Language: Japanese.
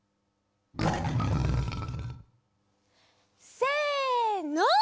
せの！